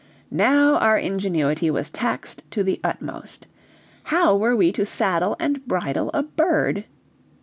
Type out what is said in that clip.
Now our ingenuity was taxed to the utmost. How were we to saddle and bridle a bird?